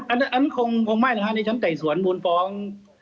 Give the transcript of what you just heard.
อันนั้นคงไม่นะคะในชั้นไต่สวนมูลฟ้อง